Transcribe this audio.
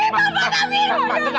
pita pada mia